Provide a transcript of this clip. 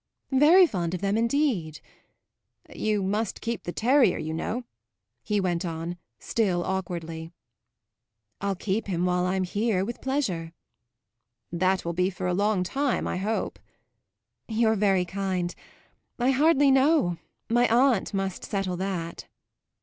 "Very fond of them indeed." "You must keep the terrier, you know," he went on, still awkwardly. "I'll keep him while I'm here, with pleasure." "That will be for a long time, I hope." "You're very kind. I hardly know. My aunt must settle that."